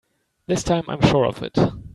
This time I'm sure of it!